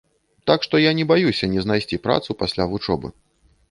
Так што я не баюся не знайсці працу пасля вучобы.